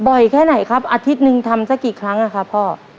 แค่ไหนครับอาทิตย์หนึ่งทำสักกี่ครั้งอะครับพ่อ